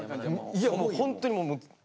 いやもうホントにもうもう。